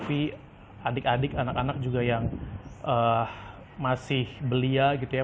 kita aja mungkin yang kerja tapi adik adik anak anak juga yang masih belia gitu ya